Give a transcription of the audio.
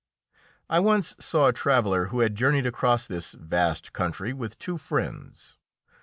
I once saw a traveller who had journeyed across this vast country with two friends.